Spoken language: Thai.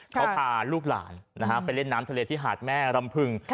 เขาพาลูกหลานไปเล่นน้ำทะเลที่หาดแม่รำพึง